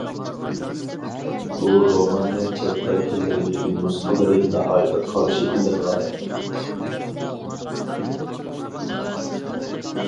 بۇ روماننىڭ چەت ئەل تىللىرىدىكى نۇسخىلىرى ناھايىتى قارشى ئېلىنغان.